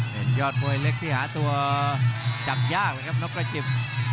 เป็นยอดมวยเล็กที่หาตัวจับยากเลยครับนกกระจิบ